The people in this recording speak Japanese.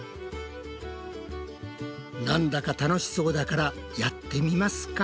なんだか楽しそうだからやってみますか！